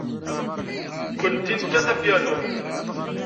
Nekkenti nekkat apyanu.